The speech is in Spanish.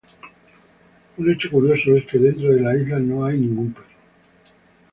Un hecho curioso es que dentro de la isla no habita ningún perro.